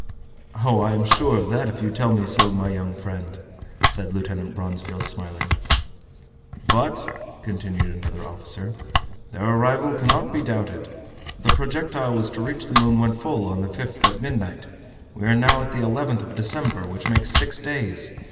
"Oh! I am sure of that, if you tell me so, my young friend," said Lieutenant Bronsfield, smiling. "But," continued another officer, "their arrival cannot be doubted. The projectile was to reach the moon when full on the 5th at midnight. We are now at the 11th of December, which makes six days.